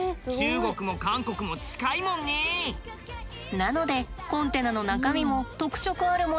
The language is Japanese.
なのでコンテナの中身も特色あるものが多いんです。